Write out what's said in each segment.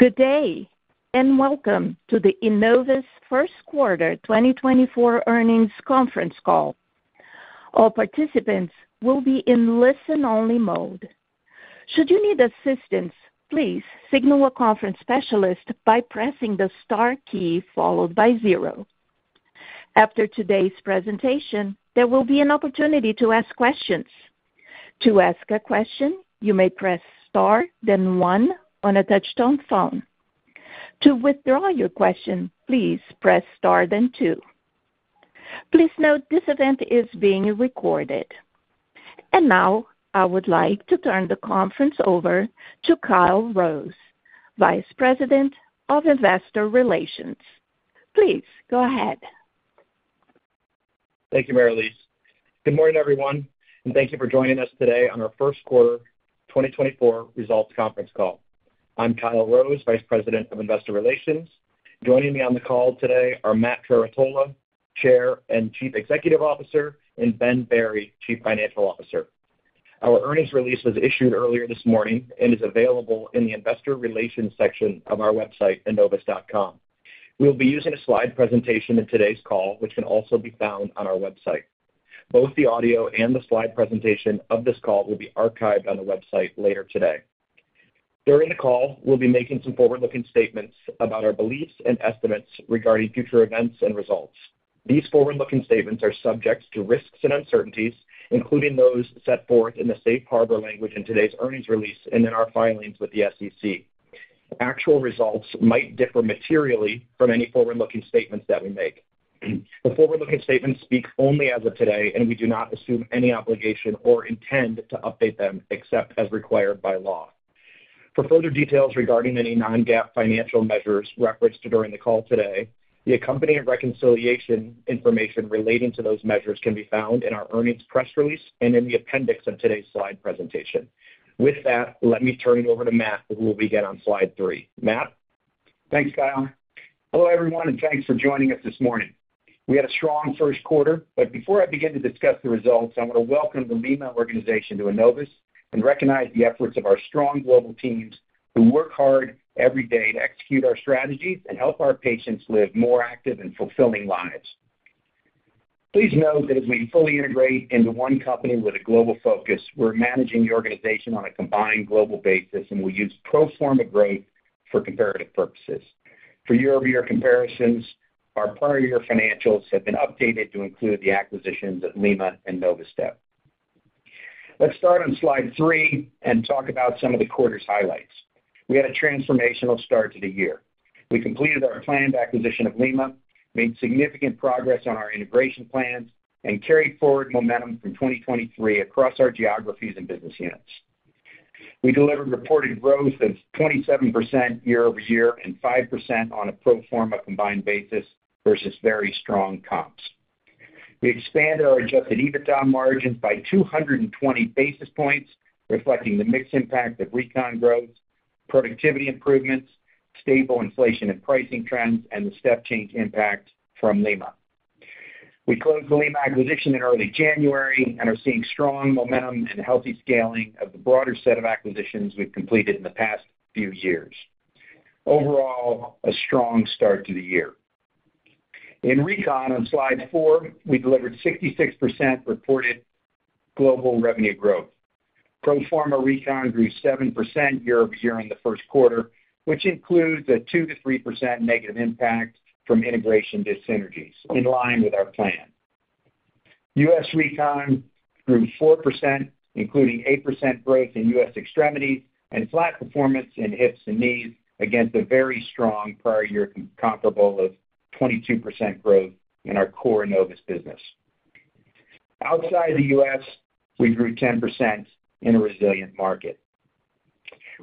Good day, and welcome to the Enovis First Quarter 2024 Earnings Conference Call. All participants will be in listen-only mode. Should you need assistance, please signal a conference specialist by pressing the star key followed by zero. After today's presentation, there will be an opportunity to ask questions. To ask a question, you may press star, then one on a touch-tone phone. To withdraw your question, please press star then two. Please note this event is being recorded. And now, I would like to turn the conference over to Kyle Rose, Vice President of Investor Relations. Please go ahead. Thank you, Mary Elise. Good morning, everyone, and thank you for joining us today on our First Quarter 2024 Results Conference Call. I'm Kyle Rose, Vice President of Investor Relations. Joining me on the call today are Matt Trerotola, Chair and Chief Executive Officer, and Ben Berry, Chief Financial Officer. Our earnings release was issued earlier this morning and is available in the investor relations section of our website, enovis.com. We'll be using a slide presentation in today's call, which can also be found on our website. Both the audio and the slide presentation of this call will be archived on the website later today. During the call, we'll be making some forward-looking statements about our beliefs and estimates regarding future events and results. These forward-looking statements are subject to risks and uncertainties, including those set forth in the safe harbor language in today's earnings release and in our filings with the SEC. Actual results might differ materially from any forward-looking statements that we make. The forward-looking statements speak only as of today, and we do not assume any obligation or intend to update them except as required by law. For further details regarding any non-GAAP financial measures referenced during the call today, the accompanying reconciliation information relating to those measures can be found in our earnings press release and in the appendix of today's slide presentation. With that, let me turn it over to Matt, who will begin on slide three. Matt? Thanks, Kyle. Hello, everyone, and thanks for joining us this morning. We had a strong first quarter, but before I begin to discuss the results, I want to welcome the Lima organization to Enovis and recognize the efforts of our strong global teams who work hard every day to execute our strategies and help our patients live more active and fulfilling lives. Please note that as we fully integrate into one company with a global focus, we're managing the organization on a combined global basis, and we use pro forma growth for comparative purposes. For year-over-year comparisons, our prior year financials have been updated to include the acquisitions of Lima and Novastep. Let's start on slide three and talk about some of the quarter's highlights. We had a transformational start to the year. We completed our planned acquisition of Lima, made significant progress on our integration plans, and carried forward momentum from 2023 across our geographies and business units. We delivered reported growth of 27% year-over-year and 5% on a pro forma combined basis versus very strong comps. We expanded our adjusted EBITDA margins by 220 basis points, reflecting the mixed impact of Recon growth, productivity improvements, stable inflation and pricing trends, and the step change impact from Lima. We closed the Lima acquisition in early January and are seeing strong momentum and healthy scaling of the broader set of acquisitions we've completed in the past few years. Overall, a strong start to the year. In Recon, on slide four, we delivered 66% reported global revenue growth. Pro forma Recon grew 7% year-over-year in the first quarter, which includes a 2%-3% negative impact from integration dissynergies, in line with our plan. U.S. Recon grew 4%, including 8% growth in U.S. extremity and flat performance in hips and knees, against a very strong prior year comparable of 22% growth in our core Enovis business. Outside the U.S., we grew 10% in a resilient market.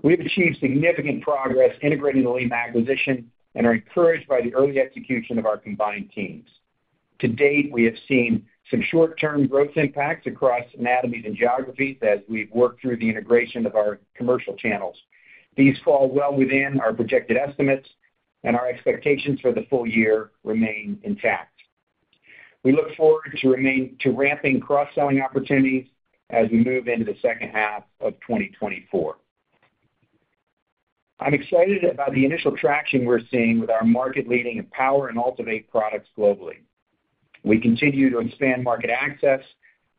We have achieved significant progress integrating the Lima acquisition and are encouraged by the early execution of our combined teams. To date, we have seen some short-term growth impacts across anatomies and geographies as we've worked through the integration of our commercial channels. These fall well within our projected estimates, and our expectations for the full year remain intact. We look forward to ramping cross-selling opportunities as we move into the second half of 2024. I'm excited about the initial traction we're seeing with our market-leading EMPOWR and AltiVate products globally. We continue to expand market access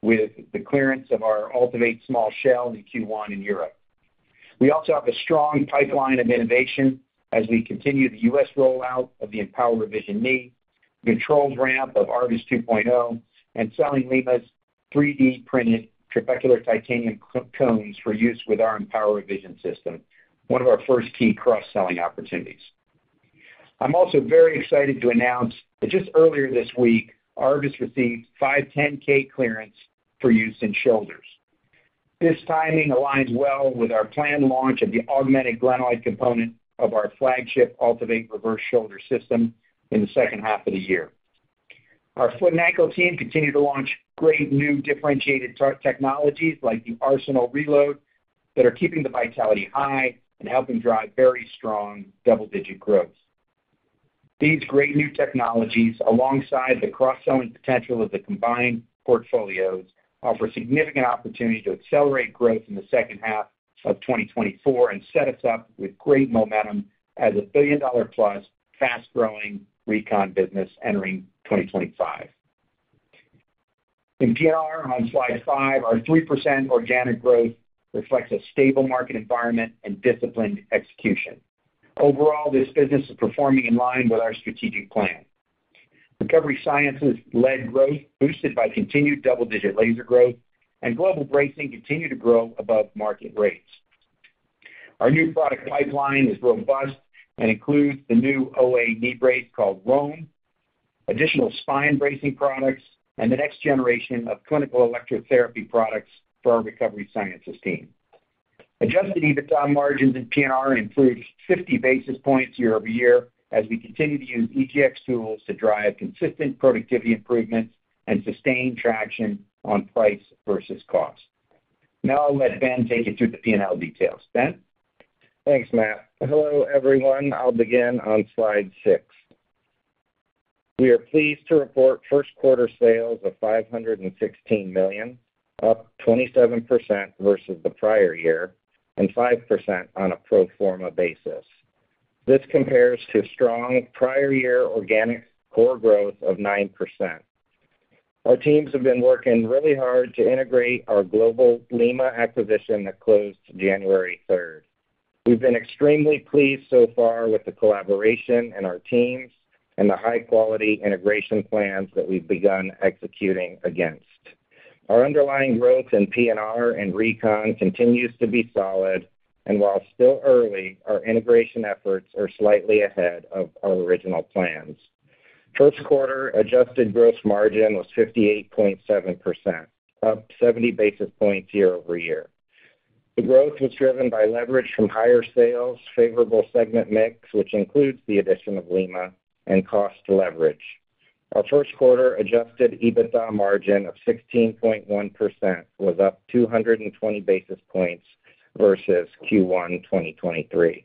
with the clearance of our AltiVate Small Shell in Q1 in Europe. We also have a strong pipeline of innovation as we continue the U.S. rollout of the EMPOWR Revision Knee, controlled ramp of ARVIS 2.0, and selling Lima's 3D printed Trabecular Titanium cones for use with our EMPOWR Revision System, one of our first key cross-selling opportunities. I'm also very excited to announce that just earlier this week, ARVIS received 510(k) clearance for use in shoulders. This timing aligns well with our planned launch of the augmented glenoid component of our flagship AltiVate Reverse Shoulder System in the second half of the year. Our Foot and Ankle team continued to launch great new differentiated technologies, like the Arsenal Reload, that are keeping the vitality high and helping drive very strong double-digit growth. These great new technologies, alongside the cross-selling potential of the combined portfolios, offer significant opportunity to accelerate growth in the second half of 2024 and set us up with great momentum as a billion-dollar-plus, fast-growing recon business entering 2025. In P&R, on slide five, our 3% organic growth reflects a stable market environment and disciplined execution. Overall, this business is performing in line with our strategic plan. Recovery Sciences led growth, boosted by continued double-digit laser growth, and global bracing continued to grow above market rates. Our new product pipeline is robust and includes the new OA knee brace called ROAM, additional spine bracing products, and the next generation of clinical electrotherapy products for our Recovery Sciences team. Adjusted EBITDA margins in P&R improved 50 basis points year-over-year, as we continue to use EGX tools to drive consistent productivity improvements and sustain traction on price versus cost. Now I'll let Ben take you through the P&L details. Ben? Thanks, Matt. Hello, everyone. I'll begin on slide six. We are pleased to report first quarter sales of $516 million, up 27% versus the prior year, and 5% on a pro forma basis. This compares to strong prior year organic core growth of 9%. Our teams have been working really hard to integrate our global Lima acquisition that closed January 3rd. We've been extremely pleased so far with the collaboration in our teams and the high-quality integration plans that we've begun executing against. Our underlying growth in P&R and Recon continues to be solid, and while still early, our integration efforts are slightly ahead of our original plans. First quarter adjusted gross margin was 58.7%, up 70 basis points year-over-year. The growth was driven by leverage from higher sales, favorable segment mix, which includes the addition of Lima, and cost leverage. Our first quarter adjusted EBITDA margin of 16.1% was up 220 basis points versus Q1 2023.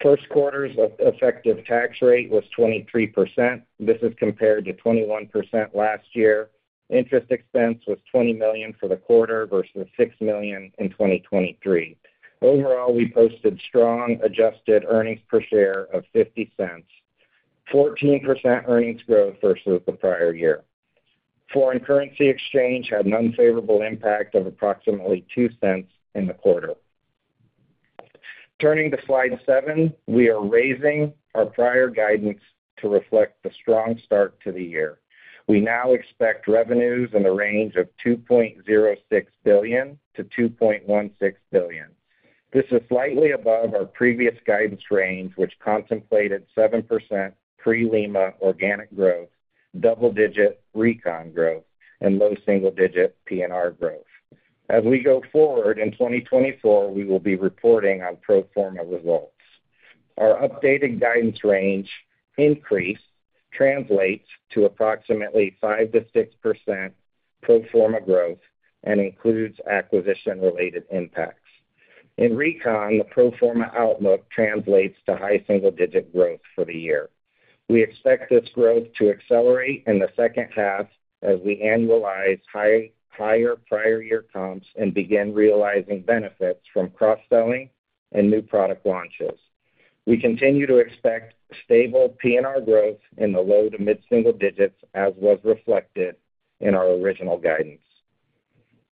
First quarter's effective tax rate was 23%. This is compared to 21% last year. Interest expense was $20 million for the quarter versus $6 million in 2023. Overall, we posted strong adjusted earnings per share of $0.50, 14% earnings growth versus the prior year. Foreign currency exchange had an unfavorable impact of approximately $0.02 in the quarter. Turning to slide seven, we are raising our prior guidance to reflect the strong start to the year. We now expect revenues in the range of $2.06 billion-$2.16 billion. This is slightly above our previous guidance range, which contemplated 7% pre-Lima organic growth, double-digit recon growth, and low single-digit P&R growth. As we go forward in 2024, we will be reporting on pro forma results. Our updated guidance range increase translates to approximately 5%-6% pro forma growth and includes acquisition-related impacts. In recon, the pro forma outlook translates to high single-digit growth for the year. We expect this growth to accelerate in the second half as we annualize higher prior year comps and begin realizing benefits from cross-selling and new product launches. We continue to expect stable P&R growth in the low to mid-single digits, as was reflected in our original guidance.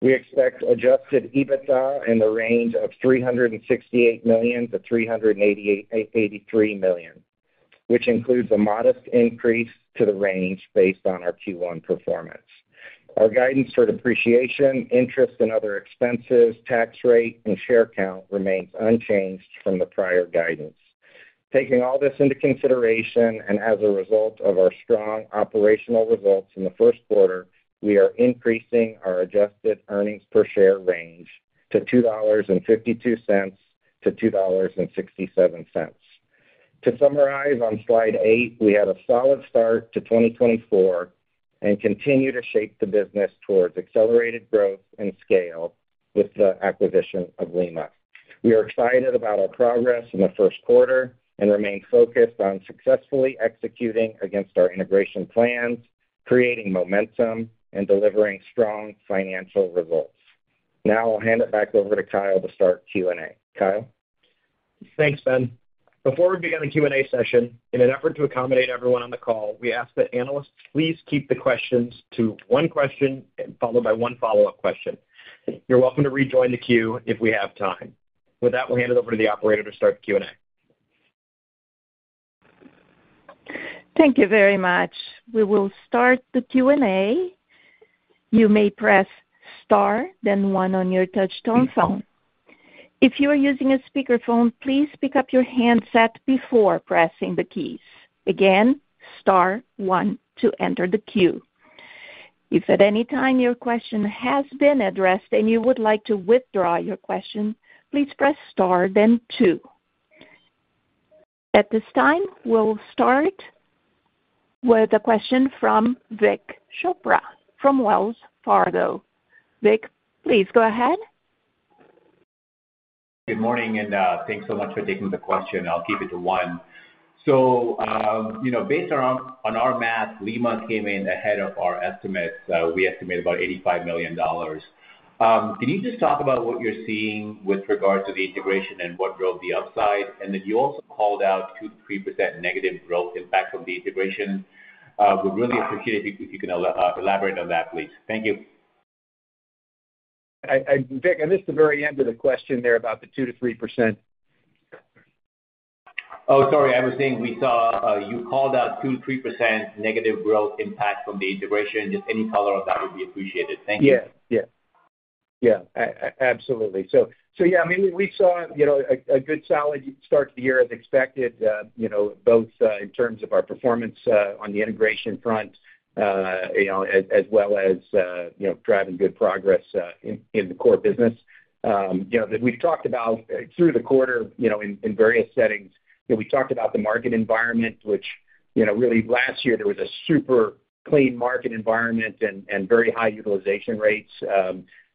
We expect adjusted EBITDA in the range of $368 million-$383 million, which includes a modest increase to the range based on our Q1 performance. Our guidance for depreciation, interest, and other expenses, tax rate, and share count remains unchanged from the prior guidance. Taking all this into consideration, and as a result of our strong operational results in the first quarter, we are increasing our adjusted earnings per share range to $2.52-$2.67. To summarize, on slide eight, we had a solid start to 2024 and continue to shape the business towards accelerated growth and scale with the acquisition of Lima. We are excited about our progress in the first quarter and remain focused on successfully executing against our integration plans, creating momentum, and delivering strong financial results. Now I'll hand it back over to Kyle to start Q&A. Kyle? Thanks, Ben. Before we begin the Q&A session, in an effort to accommodate everyone on the call, we ask that analysts please keep the questions to one question, followed by one follow-up question. You're welcome to rejoin the queue if we have time. With that, we'll hand it over to the operator to start the Q&A. Thank you very much. We will start the Q&A. You may press star, then one on your touchtone phone. If you are using a speakerphone, please pick up your handset before pressing the keys. Again, star one to enter the queue. If at any time your question has been addressed and you would like to withdraw your question, please press star then two. At this time, we'll start with a question from Vik Chopra from Wells Fargo. Vik, please go ahead. ... Good morning, and, thanks so much for taking the question. I'll keep it to one. So, you know, based around on our math, Lima came in ahead of our estimates. We estimated about $85 million. Can you just talk about what you're seeing with regards to the integration and what drove the upside? And then you also called out 2%-3% negative growth impact from the integration. Would really appreciate if you, if you can elaborate on that, please. Thank you. Vik, I missed the very end of the question there about the 2%-3%. Oh, sorry, I was saying we saw, you called out 2%-3% negative growth impact from the integration. Just any color on that would be appreciated. Thank you. Yeah, yeah. Yeah, absolutely. So yeah, I mean, we saw, you know, a good solid start to the year as expected, you know, both in terms of our performance on the integration front, you know, as well as, you know, driving good progress in the core business. You know, that we've talked about through the quarter, you know, in various settings, you know, we talked about the market environment, which, you know, really last year there was a super clean market environment and very high utilization rates.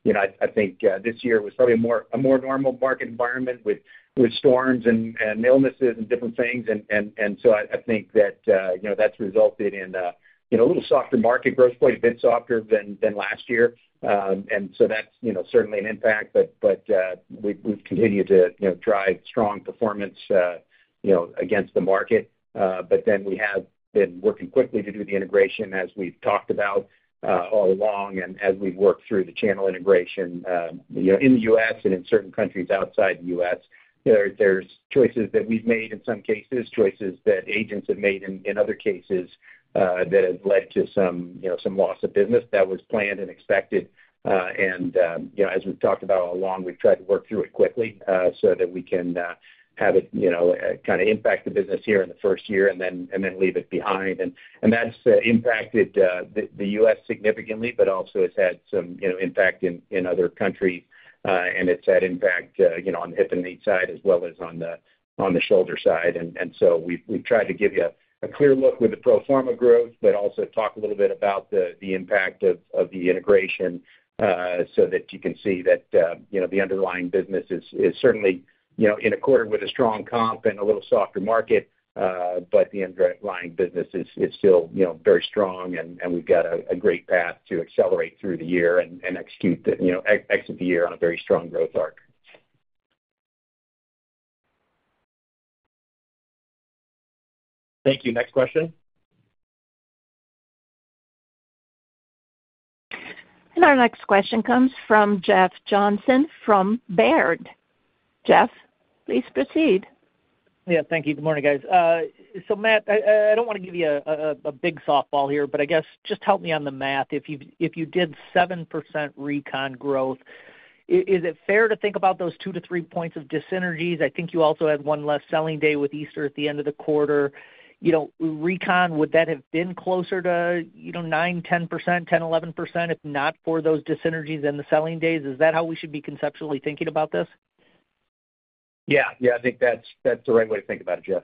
You know, I think this year was probably a more normal market environment with storms and illnesses and different things. So I think that, you know, that's resulted in, you know, a little softer market growth, a bit softer than last year. And so that's, you know, certainly an impact, but we've continued to, you know, drive strong performance, you know, against the market. But then we have been working quickly to do the integration as we've talked about, all along. And as we've worked through the channel integration, you know, in the U.S. and in certain countries outside the U.S., there are choices that we've made, in some cases, choices that agents have made in other cases, that have led to some, you know, some loss of business that was planned and expected. And, you know, as we've talked about all along, we've tried to work through it quickly, so that we can have it, you know, kind of impact the business here in the first year and then, and then leave it behind. And that's impacted the U.S. significantly, but also it's had some, you know, impact in other countries. And it's had impact, you know, on the hip and knee side as well as on the shoulder side. And so we've tried to give you a clear look with the pro forma growth, but also talk a little bit about the impact of the integration, so that you can see that, you know, the underlying business is certainly, you know, in a quarter with a strong comp and a little softer market, but the underlying business is still, you know, very strong, and we've got a great path to accelerate through the year and execute the, you know, exit the year on a very strong growth arc. Thank you. Next question? Our next question comes from Jeff Johnson from Baird. Jeff, please proceed. Yeah, thank you. Good morning, guys. So Matt, I don't wanna give you a big softball here, but I guess just help me on the math. If you did 7% recon growth, is it fair to think about those two to three points of dissynergies? I think you also had one less selling day with Easter at the end of the quarter. You know, recon, would that have been closer to, you know, 9%-10%, 10%-11%, if not for those dissynergies and the selling days? Is that how we should be conceptually thinking about this? Yeah, yeah, I think that's, that's the right way to think about it, Jeff.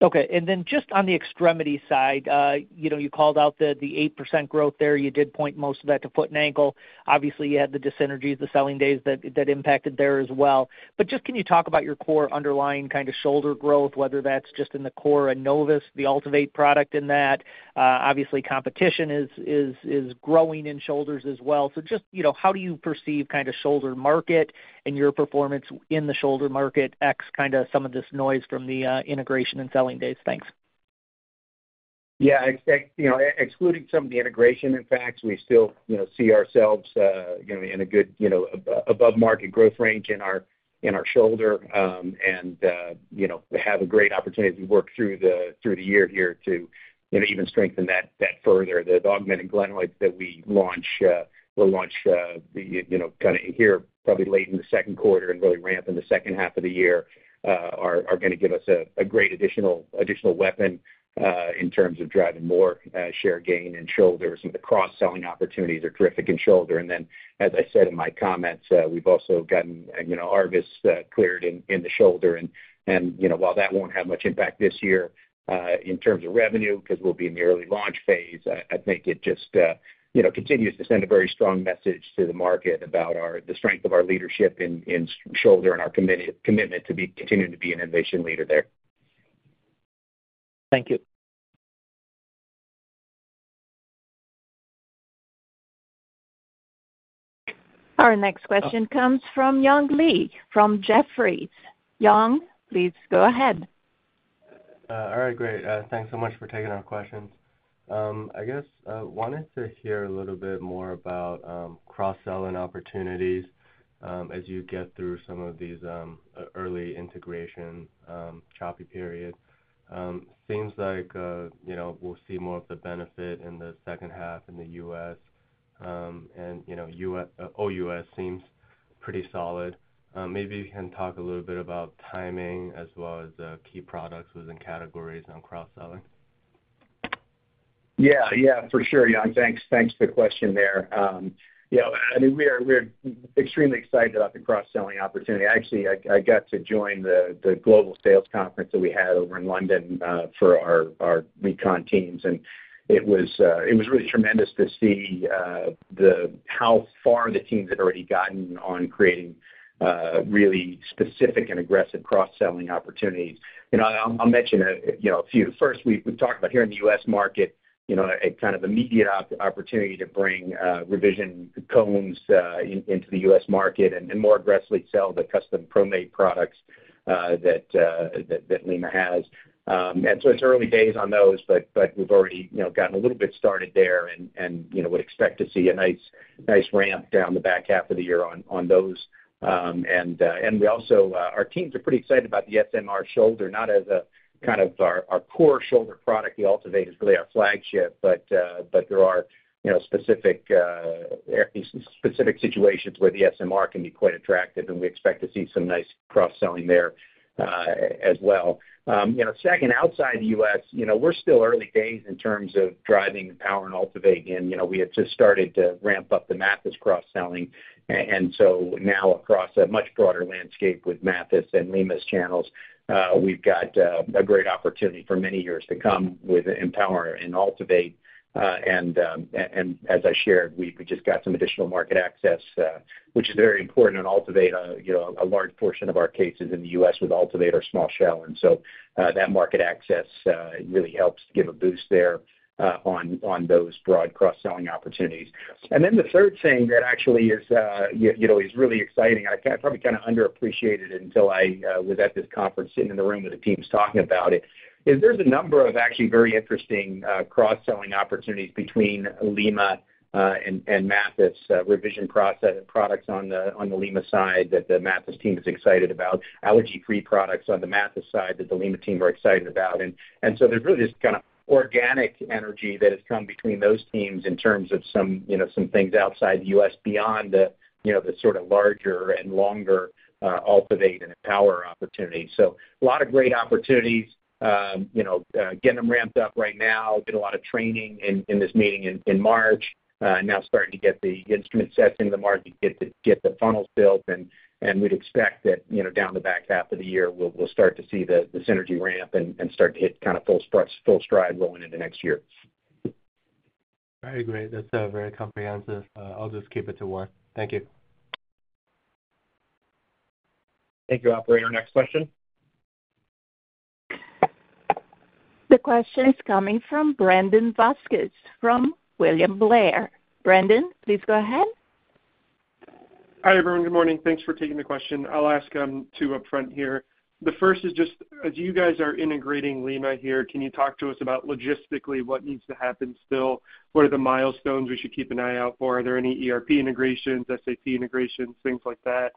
Okay. Then just on the extremity side, you know, you called out the 8% growth there. You did point most of that to foot and ankle. Obviously, you had the dissynergies, the selling days that impacted there as well. But just, can you talk about your core underlying kind of shoulder growth, whether that's just in the core Enovis, the AltiVate product in that? Obviously, competition is growing in shoulders as well. So just, you know, how do you perceive kind of shoulder market and your performance in the shoulder market ex kind of some of this noise from the integration and selling days? Thanks. Yeah, excluding some of the integration impacts, we still, you know, see ourselves, you know, in a good, you know, above market growth range in our shoulder. And, you know, we have a great opportunity to work through the year here to, you know, even strengthen that further. The augmented glenoids that we will launch, you know, kind of here, probably late in the second quarter and really ramp in the second half of the year are gonna give us a great additional weapon in terms of driving more share gain in shoulders, and the cross-selling opportunities are terrific in shoulder. And then, as I said in my comments, we've also gotten, you know, ARVIS cleared in the shoulder. And, you know, while that won't have much impact this year, in terms of revenue, because we'll be in the early launch phase, I think it just, you know, continues to send a very strong message to the market about our, the strength of our leadership in shoulder and our commitment to be continuing to be an innovation leader there. Thank you. Our next question comes from Young Li, from Jefferies. Young, please go ahead. All right, great. Thanks so much for taking our questions. I guess, I wanted to hear a little bit more about cross-selling opportunities as you get through some of these early integration choppy periods. Seems like, you know, we'll see more of the benefit in the second half in the U.S., and, you know, U.S., oh U.S. seems pretty solid. Maybe you can talk a little bit about timing as well as key products within categories on cross-selling.... Yeah, yeah, for sure, Young. Thanks, thanks for the question there. Yeah, I mean, we are, we're extremely excited about the cross-selling opportunity. Actually, I got to join the global sales conference that we had over in London for our Recon teams, and it was really tremendous to see how far the teams had already gotten on creating really specific and aggressive cross-selling opportunities. You know, I'll mention you know, a few. First, we talked about here in the U.S. market, you know, a kind of immediate opportunity to bring revision cones into the U.S. market and more aggressively sell the custom ProMade products that Lima has. And so it's early days on those, but we've already, you know, gotten a little bit started there and, you know, would expect to see a nice ramp down the back half of the year on those. And we also, our teams are pretty excited about the SMR shoulder, not as a kind of our core shoulder product. The AltiVate is really our flagship. But there are, you know, specific situations where the SMR can be quite attractive, and we expect to see some nice cross-selling there, as well. You know, second, outside the U.S., you know, we're still early days in terms of driving the EMPOWR and AltiVate in. You know, we have just started to ramp up the Mathys cross-selling. And so now across a much broader landscape with Mathys and Lima's channels, we've got a great opportunity for many years to come with EMPOWR and AltiVate. And as I shared, we just got some additional market access, which is very important in AltiVate. You know, a large portion of our cases in the U.S. with AltiVate are small shell, and so that market access really helps give a boost there on those broad cross-selling opportunities. And then the third thing that actually is, you know, is really exciting. I kind of probably kind of underappreciated it until I was at this conference, sitting in the room with the teams talking about it, is there's a number of actually very interesting cross-selling opportunities between Lima and Mathys, revision products on the Lima side that the Mathys team is excited about, allergy-free products on the Mathys side that the Lima team are excited about. And so there's really this kind of organic energy that has come between those teams in terms of some, you know, some things outside the U.S. beyond the, you know, the sort of larger and longer AltiVate and EMPOWR opportunities. So a lot of great opportunities, you know, getting them ramped up right now, doing a lot of training in this meeting in March, now starting to get the instrument sets into the market, get the funnels built, and we'd expect that, you know, down the back half of the year, we'll start to see the synergy ramp and start to hit kind of full struts, full stride going into next year. Very great. That's very comprehensive. I'll just keep it to one. Thank you. Thank you. Operator, next question. The question is coming from Brandon Vazquez from William Blair. Brandon, please go ahead. Hi, everyone. Good morning. Thanks for taking the question. I'll ask two upfront here. The first is just, as you guys are integrating Lima here, can you talk to us about logistically, what needs to happen still? What are the milestones we should keep an eye out for? Are there any ERP integrations, SAP integrations, things like that?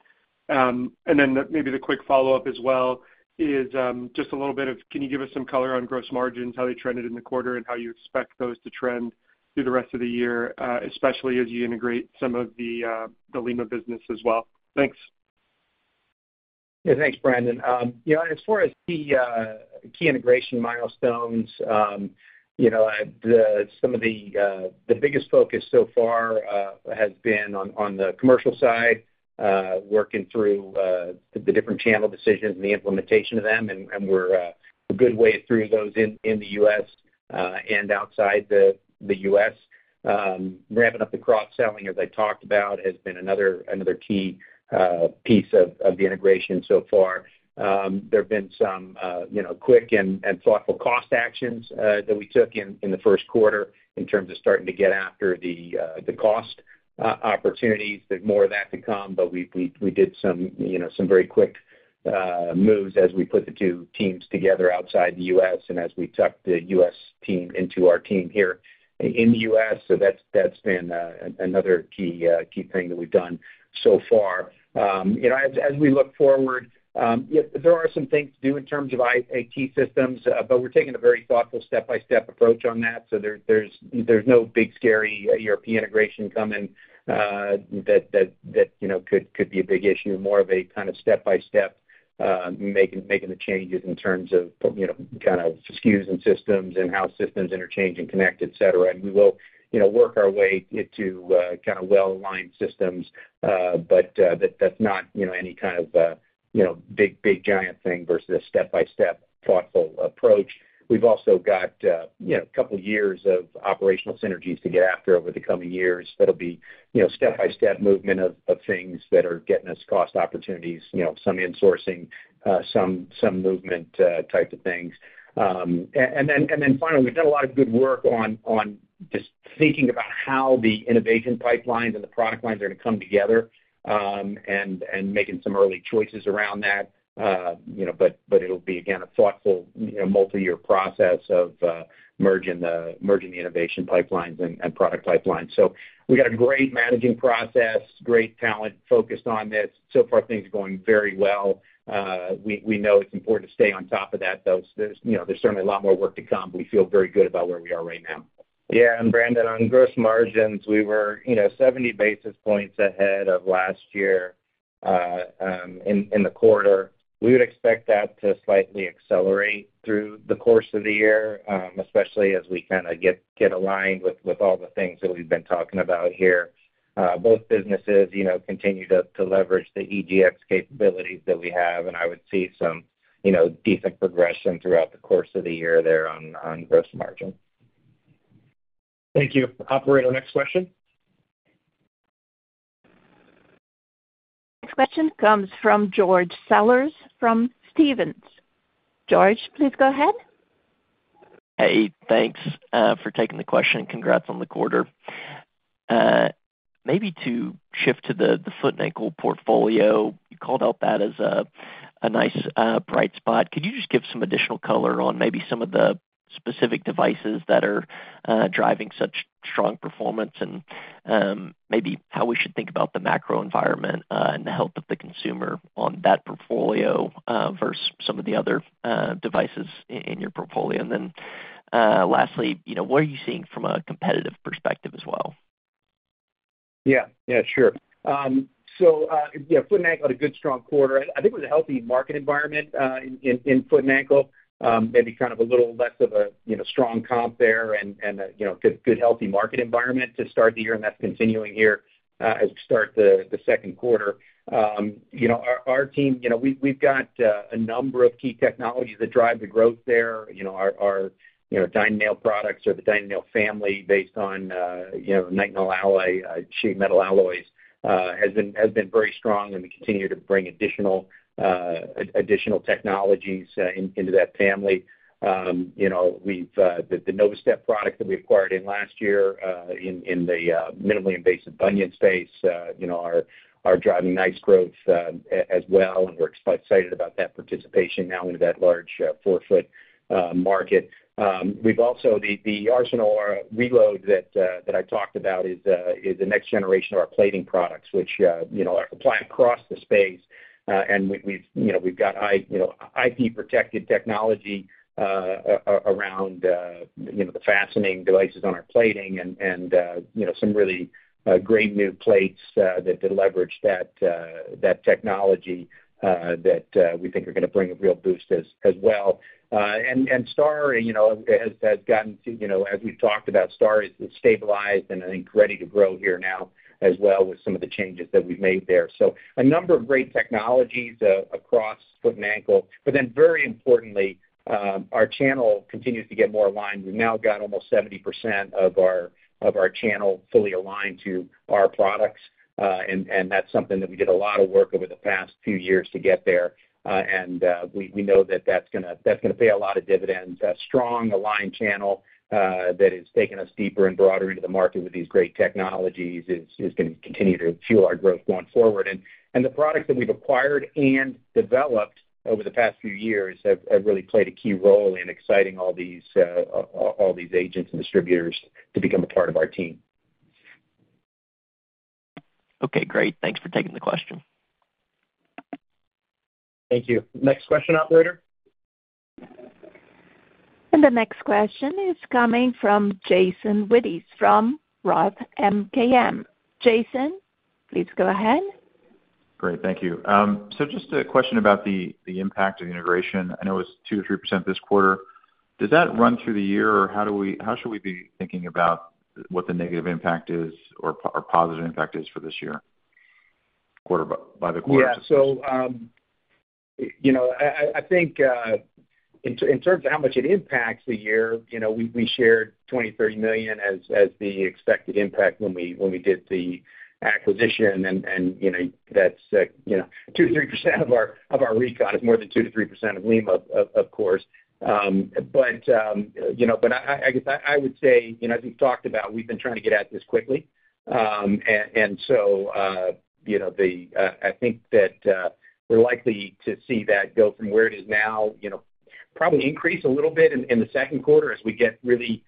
And then maybe the quick follow-up as well is, just a little bit of, can you give us some color on gross margins, how they trended in the quarter, and how you expect those to trend through the rest of the year, especially as you integrate some of the, the Lima business as well? Thanks. Yeah, thanks, Brandon. You know, as far as the key integration milestones, you know, some of the biggest focus so far has been on the commercial side, working through the different channel decisions and the implementation of them, and we're a good way through those in the U.S. and outside the U.S. Ramping up the cross-selling, as I talked about, has been another key piece of the integration so far. There have been some, you know, quick and thoughtful cost actions that we took in the first quarter in terms of starting to get after the cost opportunities. There's more of that to come, but we did some, you know, some very quick moves as we put the two teams together outside the U.S. and as we tucked the US team into our team here in the U.S. So that's been another key thing that we've done so far. You know, as we look forward, yep, there are some things to do in terms of IT systems, but we're taking a very thoughtful step-by-step approach on that. So there's no big, scary ERP integration coming, that you know could be a big issue. More of a kind of step-by-step making the changes in terms of, you know, kind of SKUs and systems and how systems interchange and connect, et cetera. We will, you know, work our way into kind of well-aligned systems, but that that's not, you know, any kind of, you know, big, big, giant thing versus a step-by-step, thoughtful approach. We've also got, you know, a couple years of operational synergies to get after over the coming years. That'll be, you know, step-by-step movement of things that are getting us cost opportunities, you know, some insourcing, some movement types of things. And then finally, we've done a lot of good work on just thinking about how the innovation pipelines and the product lines are going to come together, and making some early choices around that. You know, but it'll be, again, a thoughtful, you know, multi-year process of merging the innovation pipelines and product pipelines. So we got a great managing process, great talent focused on this. So far, things are going very well. We know it's important to stay on top of that, though. There's, you know, there's certainly a lot more work to come. We feel very good about where we are right now. Yeah, and Brandon, on gross margins, we were, you know, 70 basis points ahead of last year... in the quarter. We would expect that to slightly accelerate through the course of the year, especially as we kind of get aligned with all the things that we've been talking about here. Both businesses, you know, continue to leverage the EGX capabilities that we have, and I would see some, you know, decent progression throughout the course of the year there on gross margin. Thank you. Operator, next question? Next question comes from George Sellers, from Stephens. George, please go ahead. Hey, thanks, for taking the question, and congrats on the quarter. Maybe to shift to the foot and ankle portfolio, you called out that as a nice bright spot. Could you just give some additional color on maybe some of the specific devices that are driving such strong performance? And maybe how we should think about the macro environment and the health of the consumer on that portfolio versus some of the other devices in your portfolio? And then lastly, you know, what are you seeing from a competitive perspective as well? Yeah, yeah, sure. So, yeah, foot and ankle had a good, strong quarter. I think it was a healthy market environment in foot and ankle. Maybe kind of a little less of a, you know, strong comp there and a, you know, good healthy market environment to start the year, and that's continuing here as we start the second quarter. You know, our team, you know, we've got a number of key technologies that drive the growth there. You know, our DynaNail products or the DynaNail family, based on, you know, nickel alloy, cheap metal alloys, has been very strong, and we continue to bring additional, additional technologies into that family. You know, we've the Novastep product that we acquired in last year, in the minimally invasive bunion space, you know, are driving nice growth, as well, and we're excited about that participation now into that large forefoot market. We've also the Arsenal Reload that I talked about is the next generation of our plating products, which, you know, are applied across the space. And we've, you know, we've got IP-protected technology around, you know, the fastening devices on our plating and, you know, some really great new plates that leverage that technology that we think are gonna bring a real boost as well. And STAR, you know, has gotten to, you know, as we've talked about, STAR is stabilized and I think ready to grow here now as well with some of the changes that we've made there. So a number of great technologies across foot and ankle. But then very importantly, our channel continues to get more aligned. We've now got almost 70% of our channel fully aligned to our products, and that's something that we did a lot of work over the past few years to get there. And we know that that's gonna pay a lot of dividends. A strong aligned channel that has taken us deeper and broader into the market with these great technologies is gonna continue to fuel our growth going forward. And the products that we've acquired and developed over the past few years have really played a key role in exciting all these agents and distributors to become a part of our team. Okay, great. Thanks for taking the question. Thank you. Next question, operator. The next question is coming from Jason Wittes, from Roth MKM. Jason, please go ahead. Great, thank you. So just a question about the impact of integration. I know it was 2%-3% this quarter. Does that run through the year, or how should we be thinking about what the negative impact is or positive impact is for this year, quarter by quarter? Yeah, so, you know, I think in terms of how much it impacts the year, you know, we shared $20 million-$30 million as the expected impact when we did the acquisition, and, you know, that's, you know, 2%-3% of our Recon is more than 2%-3% of Lima, of course. But, you know, but I guess I would say, you know, as we've talked about, we've been trying to get at this quickly. I think that we're likely to see that go from where it is now, you know, probably increase a little bit in the second quarter as we get really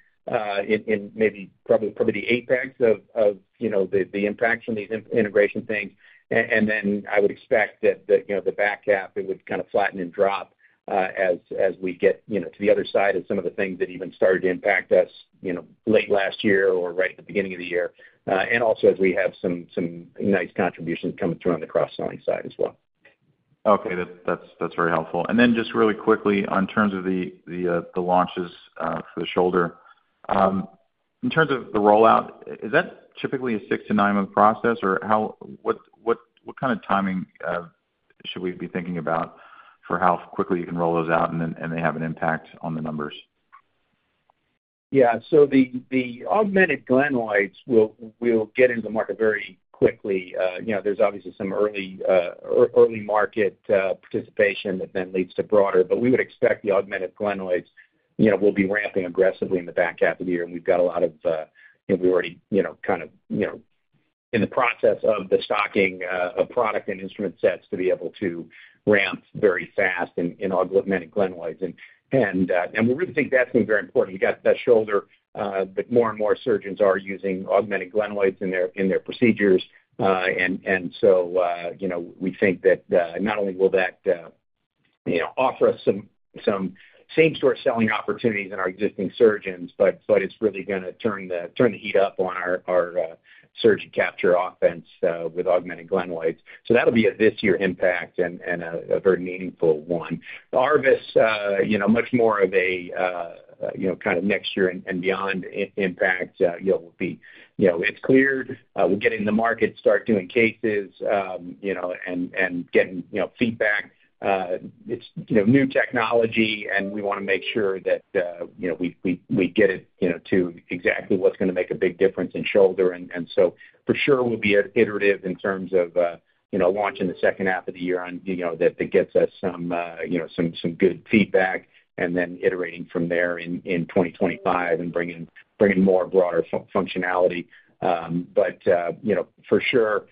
in maybe probably the apex of you know the impact from these integration things. And then I would expect that the back half it would kind of flatten and drop as we get you know to the other side of some of the things that even started to impact us, you know, late last year or right at the beginning of the year. And also as we have some nice contributions coming through on the cross-selling side as well. Okay, that's very helpful. And then just really quickly, in terms of the launches for the shoulder. In terms of the rollout, is that typically a six to nine-month process, or what kind of timing should we be thinking about for how quickly you can roll those out and then they have an impact on the numbers? Yeah. So the augmented glenoids will get into the market very quickly. You know, there's obviously some early market participation that then leads to broader. But we would expect the augmented glenoids, you know, will be ramping aggressively in the back half of the year, and we've got a lot of, you know, we already, you know, kind of, you know, in the process of the stocking of product and instrument sets to be able to ramp very fast in augmented glenoids. And we really think that's going to be very important. You got that shoulder, but more and more surgeons are using augmented glenoids in their procedures. You know, we think that not only will that... You know, offer us some same-store selling opportunities in our existing surgeons, but it's really gonna turn the heat up on our surgeon capture offense with augmented glenoids. So that'll be a this year impact and a very meaningful one. ARVIS, you know, much more of a kind of next year and beyond impact, you know, will be. You know, it's cleared, we get in the market, start doing cases, you know, and getting, you know, feedback. It's, you know, new technology, and we wanna make sure that, you know, we get it, you know, to exactly what's gonna make a big difference in shoulder. So for sure, we'll be iterative in terms of, you know, launching the second half of the year on, you know, that that gets us some, you know, some good feedback, and then iterating from there in 2025 and bringing more broader functionality. But, you know, for sure,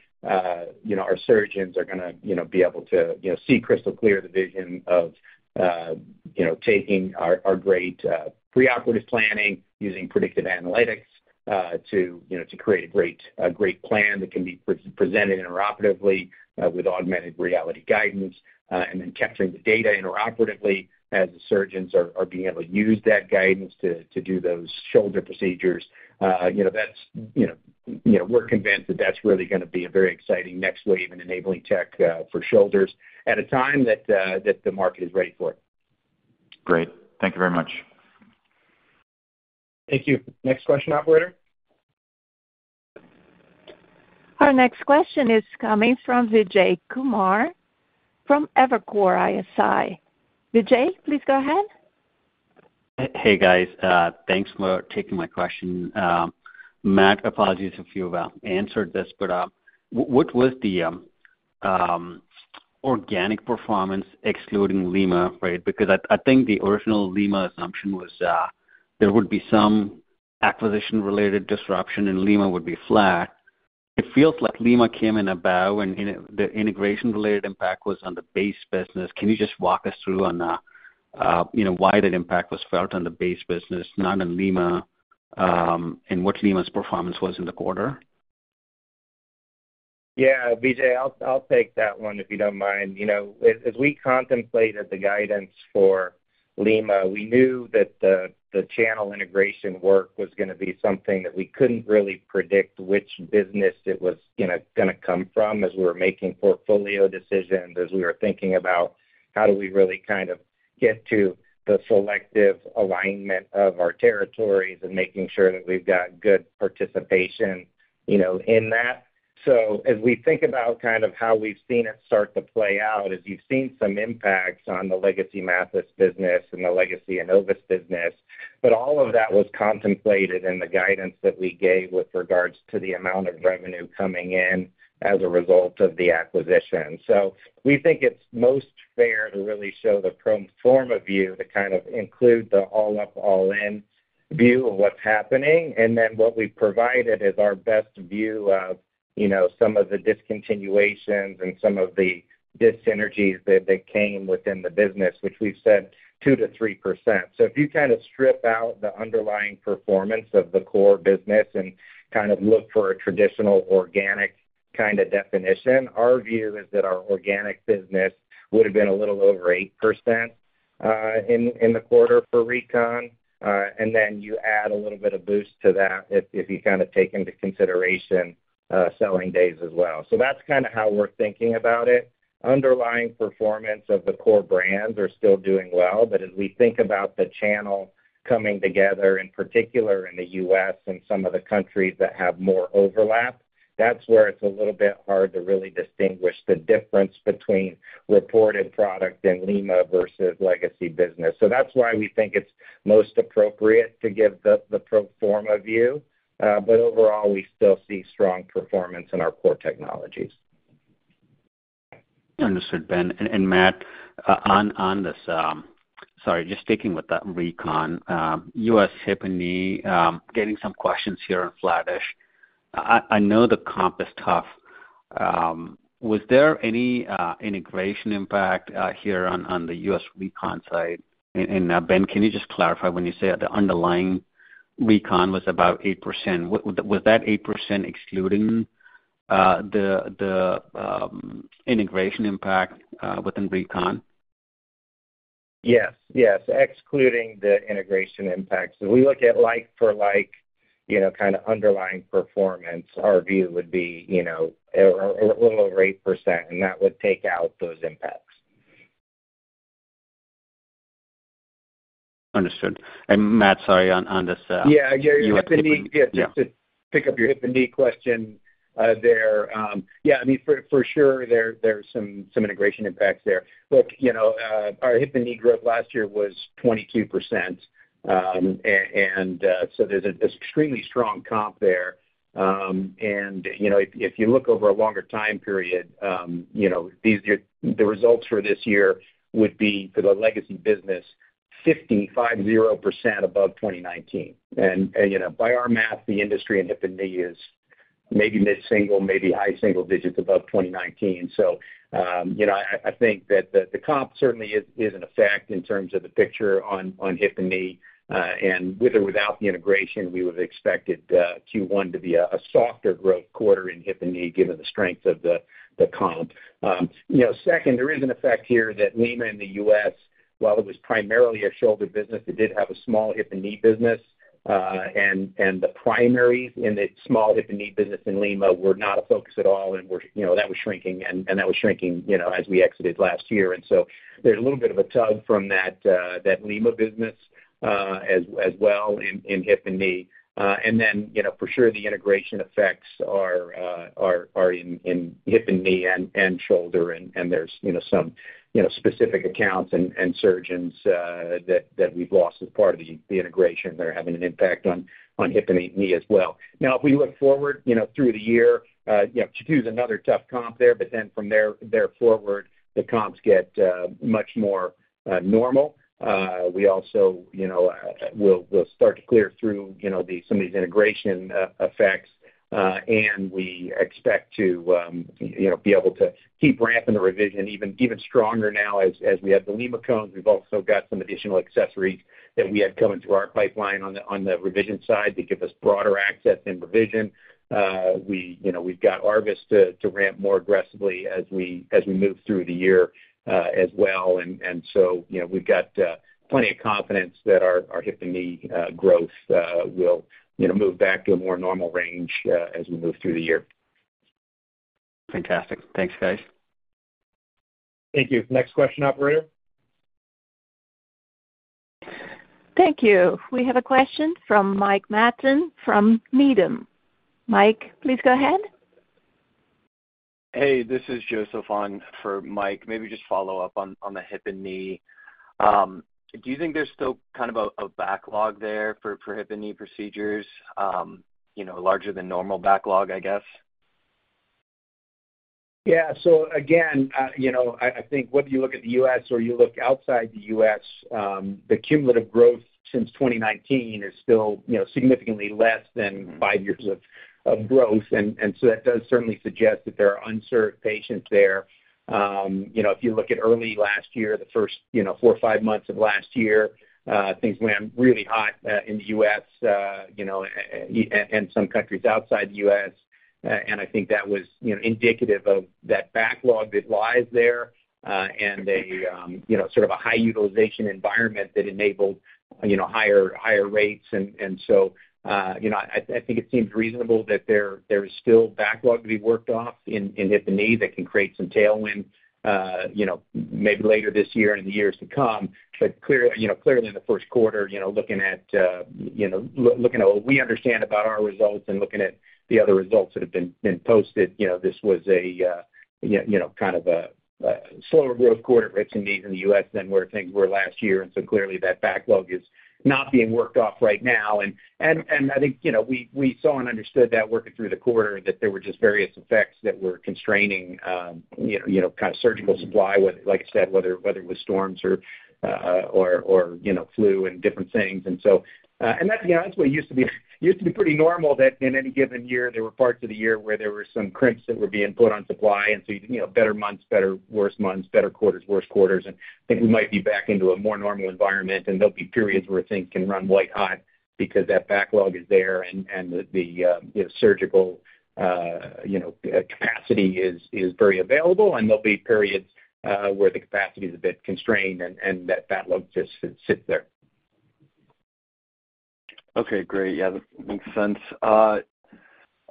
you know, our surgeons are gonna, you know, be able to, you know, see crystal clear the vision of, you know, taking our, our great, preoperative planning, using predictive analytics, to, you know, to create a great, a great plan that can be presented intraoperatively, with augmented reality guidance, and then capturing the data intraoperatively as the surgeons are being able to use that guidance to do those shoulder procedures. You know, that's, you know, you know, we're convinced that that's really gonna be a very exciting next wave in enabling tech for shoulders at a time that the market is ready for it. Great. Thank you very much. Thank you. Next question, operator. Our next question is coming from Vijay Kumar from Evercore ISI. Vijay, please go ahead. Hey, guys. Thanks for taking my question. Matt, apologies if you answered this, but what was the organic performance excluding Lima, right? Because I think the original Lima assumption was there would be some acquisition-related disruption, and Lima would be flat. It feels like Lima came in about, and the integration-related impact was on the base business. Can you just walk us through, you know, why that impact was felt on the base business, not on Lima, and what Lima's performance was in the quarter? Yeah, Vijay, I'll take that one if you don't mind. You know, as we contemplated the guidance for Lima, we knew that the channel integration work was gonna be something that we couldn't really predict which business it was, you know, gonna come from as we were making portfolio decisions, as we were thinking about how do we really kind of get to the selective alignment of our territories and making sure that we've got good participation, you know, in that. So as we think about kind of how we've seen it start to play out, is you've seen some impacts on the legacy Mathys business and the legacy Enovis business. But all of that was contemplated in the guidance that we gave with regards to the amount of revenue coming in as a result of the acquisition. So we think it's most fair to really show the pro forma view to kind of include the all up, all in view of what's happening. And then what we've provided is our best view of, you know, some of the discontinuations and some of the dissynergies that, that came within the business, which we've said 2%-3%. So if you kind of strip out the underlying performance of the core business and kind of look for a traditional organic kind of definition, our view is that our organic business would've been a little over 8%, in the quarter for Recon. And then you add a little bit of boost to that if, if you kind of take into consideration, selling days as well. So that's kind of how we're thinking about it. Underlying performance of the core brands are still doing well, but as we think about the channel coming together, in particular in the U.S. and some of the countries that have more overlap, that's where it's a little bit hard to really distinguish the difference between reported product and Lima versus legacy business. So that's why we think it's most appropriate to give the pro forma view. But overall, we still see strong performance in our core technologies. Understood, Ben. And Matt, on this. Sorry, just sticking with the Recon, US hip and knee, getting some questions here on flattish. I know the comp is tough. Was there any integration impact here on the US Recon side? And Ben, can you just clarify, when you say the underlying Recon was about 8%, was that 8% excluding the integration impact within Recon? Yes, yes, excluding the integration impact. So we look at like for like, you know, kind of underlying performance, our view would be, you know, a little over 8%, and that would take out those impacts. Understood. And Matt, sorry, on this, Yeah, your hip and knee- Yeah. Yeah, just to pick up your hip and knee question, there are some integration impacts there. Look, you know, our hip and knee growth last year was 22%. And so there's an extremely strong comp there. And, you know, if you look over a longer time period, you know, these, the results for this year would be for the legacy business, 550% above 2019. And, you know, by our math, the industry in hip and knee is maybe mid-single, maybe high single digits above 2019. So, you know, I think that the comp certainly is an effect in terms of the picture on hip and knee, and with or without the integration, we would have expected Q1 to be a softer growth quarter in hip and knee, given the strength of the comp. You know, second, there is an effect here that Lima in the U.S., while it was primarily a shoulder business, it did have a small hip and knee business. And the primaries in the small hip and knee business in Lima were not a focus at all and were shrinking, you know, as we exited last year. And so there's a little bit of a tug from that Lima business as well in hip and knee. And then, you know, for sure, the integration effects are in hip and knee and shoulder, and there's, you know, some specific accounts and surgeons that we've lost as part of the integration that are having an impact on hip and knee as well. Now, if we look forward, you know, through the year, Q2 is another tough comp there, but then from there forward, the comps get much more normal. We also, you know, we'll start to clear through some of these integration effects, and we expect to, you know, be able to keep ramping the revision even stronger now as we have the Lima cones. We've also got some additional accessories that we had coming through our pipeline on the revision side to give us broader access in revision. We, you know, we've got ARVIS to ramp more aggressively as we move through the year, as well. And so, you know, we've got plenty of confidence that our hip and knee growth will, you know, move back to a more normal range as we move through the year. Fantastic. Thanks, guys. Thank you. Next question, operator. Thank you. We have a question from Mike Matson from Needham. Mike, please go ahead. Hey, this is Joseph on for Mike. Maybe just follow up on the hip and knee. Do you think there's still kind of a backlog there for hip and knee procedures, you know, larger than normal backlog, I guess? Yeah. So again, you know, I think whether you look at the U.S. or you look outside the U.S., the cumulative growth since 2019 is still, you know, significantly less than five years of growth. So that does certainly suggest that there are unserved patients there. You know, if you look at early last year, the first, you know, four or five months of last year, things went really hot in the U.S., you know, and some countries outside the U.S., and I think that was, you know, indicative of that backlog that lies there, and you know, sort of a high utilization environment that enabled, you know, higher rates. So, you know, I think it seems reasonable that there is still backlog to be worked off in hip and knee that can create some tailwind, you know, maybe later this year and in the years to come. But clearly, you know, clearly in the first quarter, you know, looking at what we understand about our results and looking at the other results that have been posted, you know, this was a you know, kind of a slower growth quarter at hip and knee in the U.S. than where things were last year. And so clearly, that backlog is not being worked off right now. I think, you know, we saw and understood that working through the quarter, that there were just various effects that were constraining, you know, kind of surgical supply, whether, like I said, whether it was storms or, or, you know, flu and different things. And so, and that, you know, that's what used to be, used to be pretty normal, that in any given year, there were parts of the year where there were some crimps that were being put on supply. So, you know, better months, worse months, better quarters, worse quarters, and I think we might be back into a more normal environment, and there'll be periods where things can run white hot because that backlog is there and the, you know, surgical capacity is very available, and there'll be periods where the capacity is a bit constrained, and that backlog just sits there. Okay, great. Yeah, that makes sense.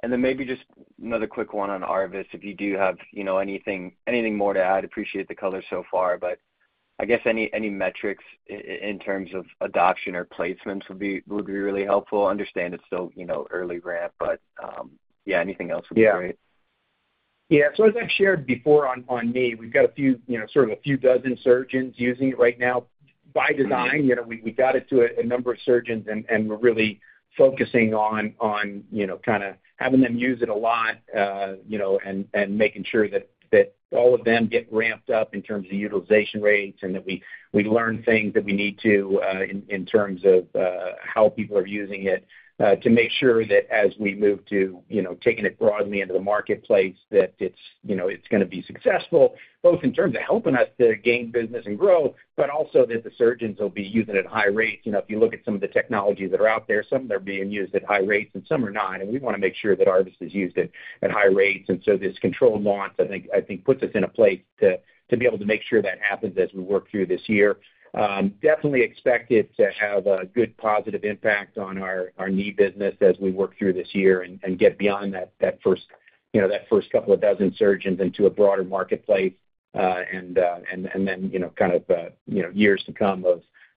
And then maybe just another quick one on ARVIS, if you do have, you know, anything, anything more to add, appreciate the color so far, but I guess any metrics in terms of adoption or placements would be really helpful. I understand it's still, you know, early ramp, but yeah, anything else would be great. Yeah. Yeah, so as I've shared before on knee, we've got a few, you know, sort of a few dozen surgeons using it right now. By design, you know, we got it to a number of surgeons, and we're really focusing on, you know, kind of having them use it a lot, you know, and making sure that all of them get ramped up in terms of utilization rates and that we learn things that we need to in terms of how people are using it, to make sure that as we move to, you know, taking it broadly into the marketplace, that it's, you know, it's gonna be successful, both in terms of helping us to gain business and grow, but also that the surgeons will be using it at high rates. You know, if you look at some of the technologies that are out there, some are being used at high rates, and some are not, and we wanna make sure that ARVIS is used at high rates. And so this controlled launch, I think, puts us in a place to be able to make sure that happens as we work through this year. Definitely expect it to have a good positive impact on our knee business as we work through this year and get beyond that first, you know, that first couple of dozen surgeons into a broader marketplace, and then, you know, kind of, you know, years to come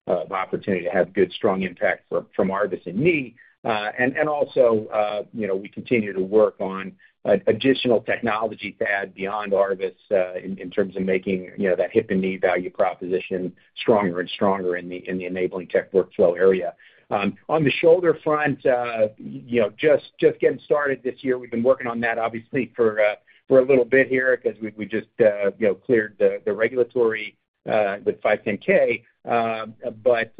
of opportunity to have good, strong impact from ARVIS and knee. And also, you know, we continue to work on additional technology add beyond ARVIS, in terms of making, you know, that hip and knee value proposition stronger and stronger in the enabling tech workflow area. On the shoulder front, you know, just getting started this year. We've been working on that, obviously, for a little bit here because we just, you know, cleared the regulatory with 510(k). But,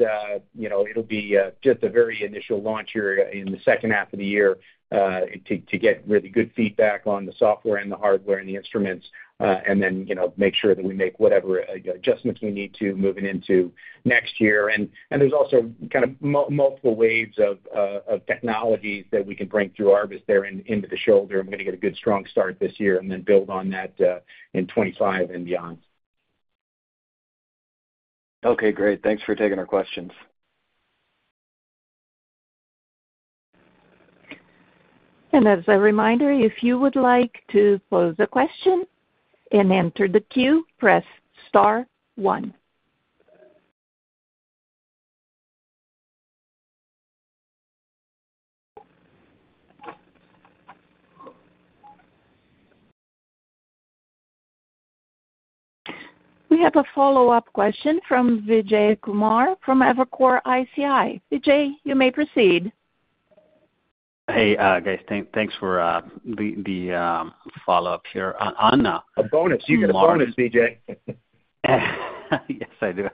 you know, it'll be just a very initial launch here in the second half of the year, to get really good feedback on the software and the hardware and the instruments, and then, you know, make sure that we make whatever adjustments we need to moving into next year. There's also kind of multiple waves of technologies that we can bring through ARVIS there into the shoulder and gonna get a good, strong start this year and then build on that in 2025 and beyond.... Okay, great. Thanks for taking our questions. As a reminder, if you would like to pose a question and enter the queue, press star one. We have a follow-up question from Vijay Kumar from Evercore ISI. Vijay, you may proceed. Hey, guys. Thanks for the follow-up here. On, A bonus. You get a bonus, Vijay. Yes, I do.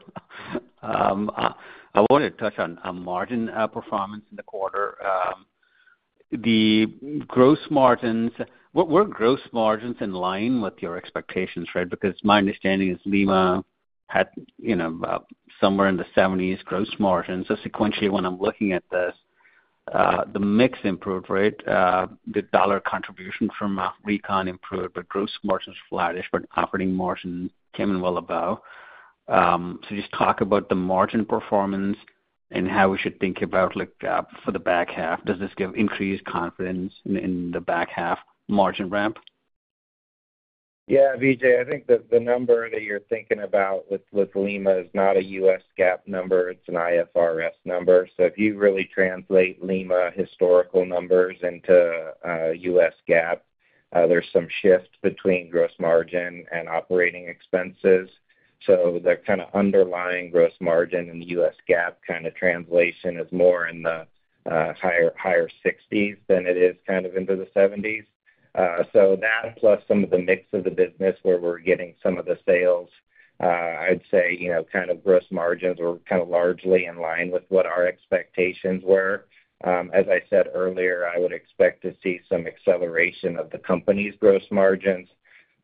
I wanted to touch on margin performance in the quarter. The gross margins were in line with your expectations, Ben? Because my understanding is Lima had, you know, somewhere in the 70s gross margins. So sequentially, when I'm looking at this, the mix improved, right? The dollar contribution from Recon improved, but gross margins flattish, but operating margin came in well above. So just talk about the margin performance and how we should think about like for the back half. Does this give increased confidence in the back half margin ramp? Yeah, Vijay, I think the number that you're thinking about with Lima is not a U.S. GAAP number, it's an IFRS number. So if you really translate Lima historical numbers into U.S. GAAP, there's some shift between gross margin and operating expenses. So the kind of underlying gross margin in the U.S. GAAP kind of translation is more in the higher sixties than it is kind of into the seventies. So that plus some of the mix of the business where we're getting some of the sales, I'd say, you know, kind of gross margins were kind of largely in line with what our expectations were. As I said earlier, I would expect to see some acceleration of the company's gross margins,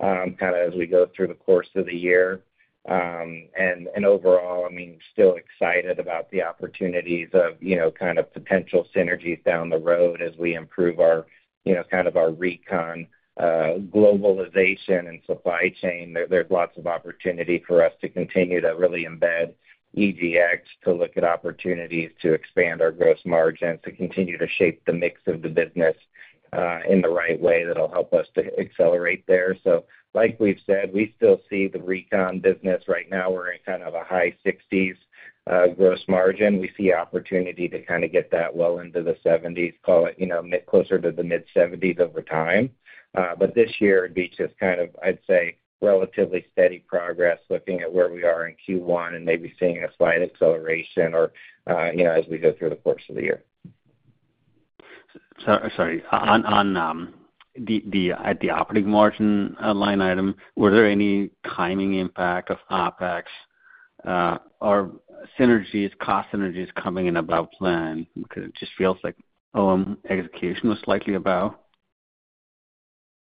kind of as we go through the course of the year. And overall, I mean, still excited about the opportunities of, you know, kind of potential synergies down the road as we improve our, you know, kind of our Recon globalization and supply chain. There's lots of opportunity for us to continue to really embed EGX, to look at opportunities to expand our gross margins, to continue to shape the mix of the business in the right way that'll help us to accelerate there. So like we've said, we still see the Recon business. Right now, we're in kind of a high 60s gross margin. We see opportunity to kind of get that well into the 70s, call it, you know, mid- closer to the mid-70s over time. But this year, it'd be just kind of, I'd say, relatively steady progress, looking at where we are in Q1 and maybe seeing a slight acceleration or, you know, as we go through the course of the year. Sorry. On the operating margin line item, were there any timing impact of OpEx or synergies, cost synergies coming in above plan? Because it just feels like OM execution was likely about.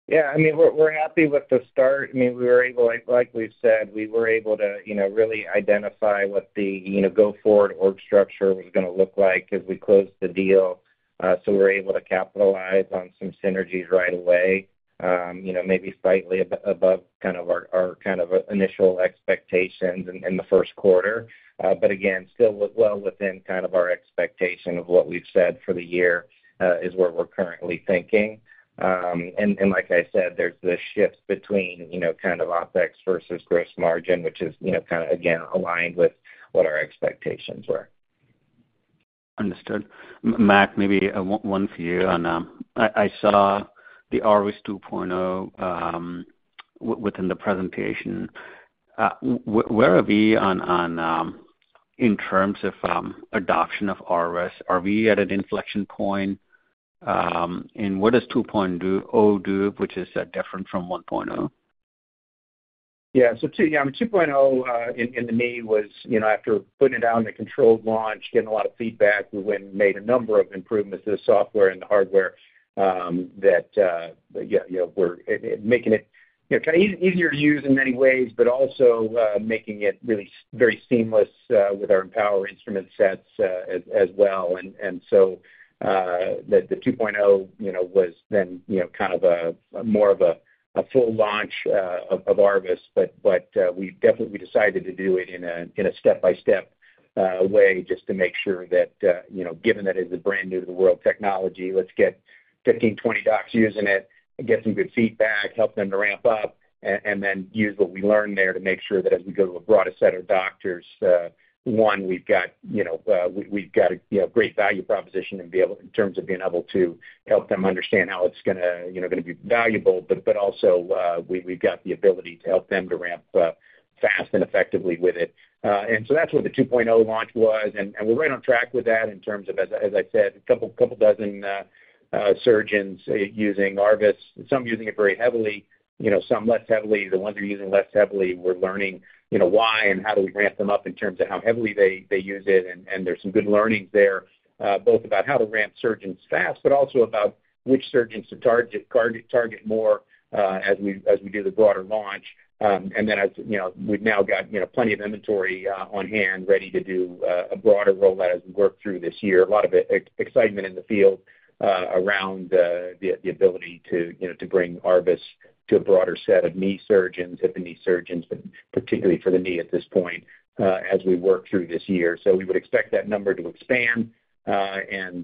Yeah. I mean, we're happy with the start. I mean, we were able, like, like we've said, we were able to, you know, really identify what the, you know, go forward org structure was gonna look like as we closed the deal. So we were able to capitalize on some synergies right away, you know, maybe slightly above kind of our initial expectations in the first quarter. But again, still well within kind of our expectation of what we've said for the year is where we're currently thinking. And like I said, there's the shifts between, you know, kind of OpEx versus gross margin, which is, you know, kind of again, aligned with what our expectations were. Understood. Matt, maybe one for you on... I saw the ARVIS 2.0 within the presentation. Where are we on in terms of adoption of ARVIS? Are we at an inflection point? And what does 2.0 do, which is different from 1.0? Yeah. So 2.0, yeah, I mean, 2.0 in the knee was, you know, after putting it out in a controlled launch, getting a lot of feedback, we went and made a number of improvements to the software and the hardware, that, yeah, you know, we're making it, you know, kind of easier to use in many ways, but also, making it really very seamless, with our EMPOWR instrument sets, as well. And so, the 2.0, you know, was then, you know, kind of more of a full launch, of ARVIS. But we definitely decided to do it in a step-by-step way, just to make sure that, you know, given that it's a brand-new-to-the-world technology, let's get 15, 20 docs using it and get some good feedback, help them to ramp up, and then use what we learn there to make sure that as we go to a broader set of doctors, one, we've got, you know, we've got a great value proposition and be able, in terms of being able to help them understand how it's gonna, you know, gonna be valuable, but also, we've got the ability to help them to ramp up fast and effectively with it. And so that's what the 2.0 launch was, and we're right on track with that in terms of, as I said, a couple dozen surgeons using ARVIS, and some using it very heavily, you know, some less heavily. The ones who are using less heavily, we're learning, you know, why and how do we ramp them up in terms of how heavily they use it. And there's some good learnings there, both about how to ramp surgeons fast, but also about which surgeons to target more, as we do the broader launch. And then as, you know, we've now got, you know, plenty of inventory on hand, ready to do a broader rollout as we work through this year. A lot of excitement in the field, around the ability to, you know, to bring ARVIS to a broader set of knee surgeons, hip and knee surgeons, but particularly for the knee at this point, as we work through this year. So we would expect that number to expand and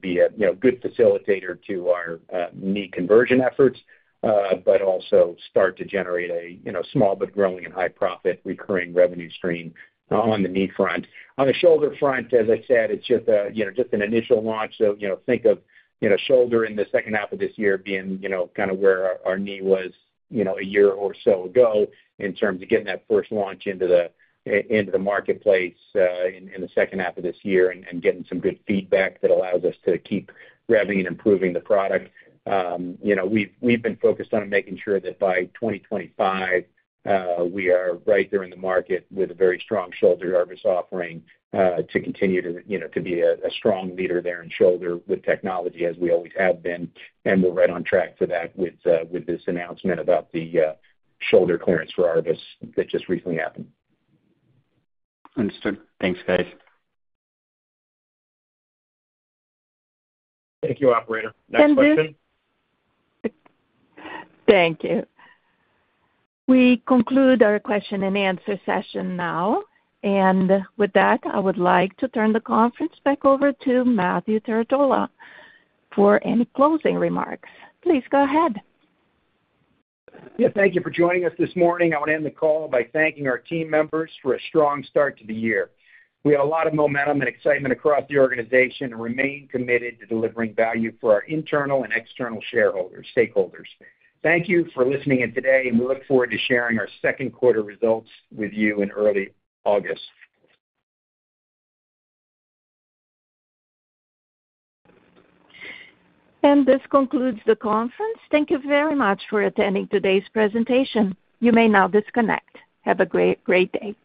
be a, you know, good facilitator to our knee conversion efforts, but also start to generate a, you know, small, but growing and high profit recurring revenue stream, on the knee front. On the shoulder front, as I said, it's just a, you know, just an initial launch. So, you know, think of, you know, shoulder in the second half of this year being, you know, kind of where our knee was, you know, a year or so ago in terms of getting that first launch into the marketplace in the second half of this year, and getting some good feedback that allows us to keep revving and improving the product. You know, we've been focused on making sure that by 2025 we are right there in the market with a very strong shoulder ARVIS offering to continue to, you know, to be a strong leader there in shoulder with technology as we always have been. And we're right on track to that with this announcement about the shoulder clearance for ARVIS that just recently happened. Understood. Thanks, guys. Thank you, operator. Next question? Thank you. We conclude our question and answer session now. With that, I would like to turn the conference back over to Matthew Trerotola for any closing remarks. Please go ahead. Yeah, thank you for joining us this morning. I want to end the call by thanking our team members for a strong start to the year. We have a lot of momentum and excitement across the organization and remain committed to delivering value for our internal and external shareholders, stakeholders. Thank you for listening in today, and we look forward to sharing our second quarter results with you in early August. This concludes the conference. Thank you very much for attending today's presentation. You may now disconnect. Have a great, great day.